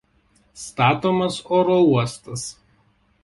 Statomas oro uostas.